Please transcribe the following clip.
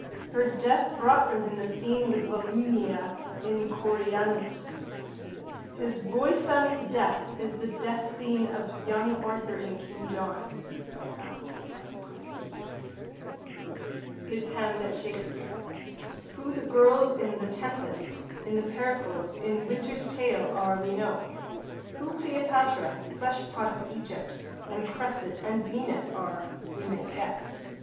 Her death brought from him the scene with Volumnia in Coriolanus. His boyson's death is the deathscene of young Arthur in King John. Hamlet, the black prince, is Hamnet Shakespeare. Who the girls in The Tempest, in Pericles, in Winter's Tale are we know. Who Cleopatra, fleshpot of Egypt, and Cressid and Venus are we may guess.